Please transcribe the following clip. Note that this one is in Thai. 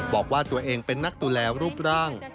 บอกว่าตัวเองเป็นนักดูแลรูปร่าง